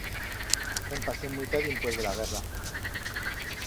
En pasé muita dimpués de la guerra.